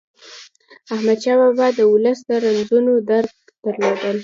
احمدشاه بابا د ولس د رنځونو درک درلود.